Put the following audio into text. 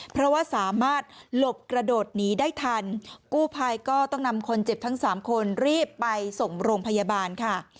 เพราะว่าสามารถหลบกระโดดหนีได้ทันกู้ภัยก็ต้องนำคนเจ็บทั้งสามคนรีบไปส่งโรงพยาบาลค่ะ